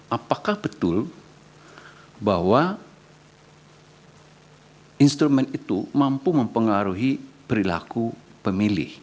apakah betul bahwa instrumen itu mampu mempengaruhi perilaku pemilih